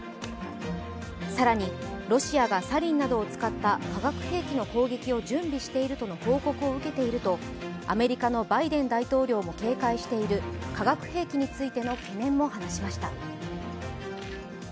更にロシアがサリンなどを使った化学兵器の攻撃を準備しているとの報告を受けているとアメリカのバイデン大統領も警戒している化学兵器についての懸念も話しました。